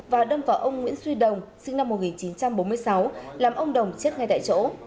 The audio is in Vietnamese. và đâm vào ông nguyễn duy đồng sinh năm một nghìn chín trăm bốn mươi sáu làm ông đồng chết ngay tại chỗ